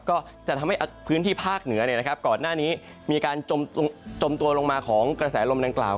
ก็จะทำให้พื้นที่ภาคเหนือก่อนหน้านี้มีการจมตัวลงมาของกระแสลมดังกล่าว